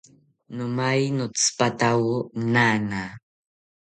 Nomaye notzipatawo nana